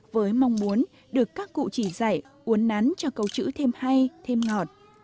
với mong muốn được các cụ chỉ dạy uốn nắn cho câu chữ thêm hay thêm ngọt